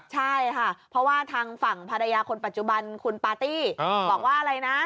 ใช่ค่ะเพราะว่าทางฝั่งภรรยาคนปัจจุบันคุณปาร์ตี้บอกว่าอะไรนะ